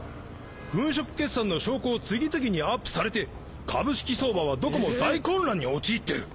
粉飾決算の証拠を次々にアップされて株式相場はどこも大混乱に陥ってる。